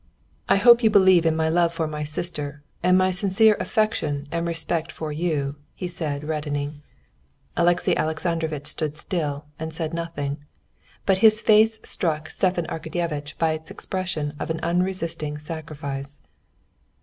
"I hope you believe in my love for my sister and my sincere affection and respect for you," he said, reddening. Alexey Alexandrovitch stood still and said nothing, but his face struck Stepan Arkadyevitch by its expression of an unresisting sacrifice.